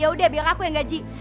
ya udah biar aku yang gaji